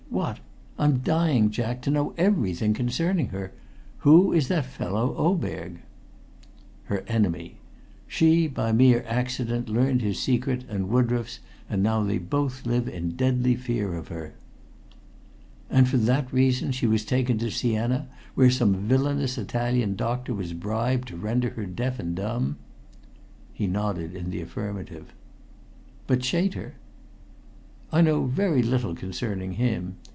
What? I'm dying, Jack, to know everything concerning her. Who is that fellow Oberg?" "Her enemy. She, by mere accident, learned his secret and Woodroffe's, and they now both live in deadly fear of her." "And for that reason she was taken to Siena, where some villainous Italian doctor was bribed to render her deaf and dumb." He nodded in the affirmative. "But Chater?" "I know very little concerning him.